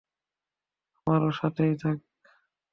আমার সাথেই থাক।